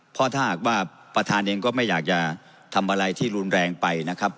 เพราะถ้าหากว่าประธานเองก็ไม่อยากจะทำอะไรที่รุนแรงไปนะครับ